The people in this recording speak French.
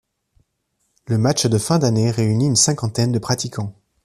Le match de fin d’année réunit une cinquantaine de pratiquants.